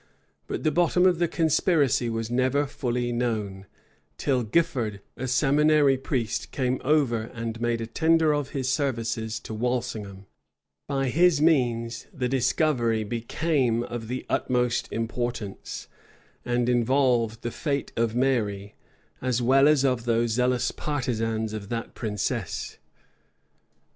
But the bottom of the conspiracy was never fully known, till Gifford, a seminary priest, came over and made a tender of his services to Walsingham. By his means, the discovery became of the utmost importance, and involved the fate of Mary, as well as of those zealous partisans of that princess.